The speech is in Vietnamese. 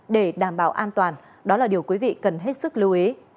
để đảm bảo an toàn đó là điều quý vị cần hết sức lưu ý